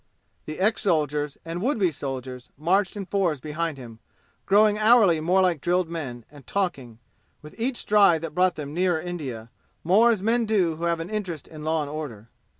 The ex soldiers and would be soldiers marched in fours behind him, growing hourly more like drilled men, and talking, with each stride that brought them nearer India, more as men do who have an interest in law and order.